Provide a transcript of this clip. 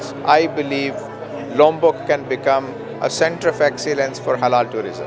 saya percaya lombok bisa menjadi pusat kebaikan untuk halal turisme